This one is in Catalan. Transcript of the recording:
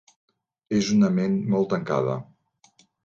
És una ment molt tancada.